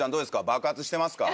爆発してますか？